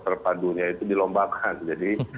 terpadunya itu dilombakan jadi